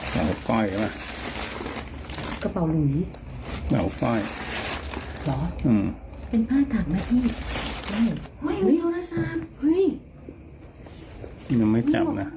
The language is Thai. เธอได้ยังไม่จับอะ